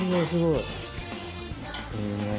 いいねぇ。